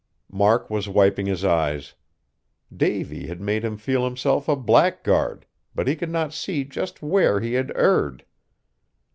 Mark was wiping his eyes. Davy had made him feel himself a blackguard, but he could not see just where he had erred.